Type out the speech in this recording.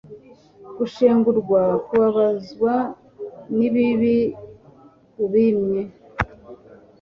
gushengurwa kubabazwa n'ibibi ubinye